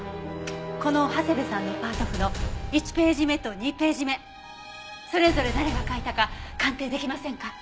この長谷部さんのパート譜の１ページ目と２ページ目それぞれ誰が書いたか鑑定できませんか？